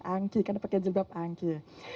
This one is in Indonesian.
angki karena pakai jilbab angki